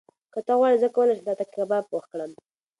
که ته غواړې، زه کولی شم تاته کباب پخ کړم.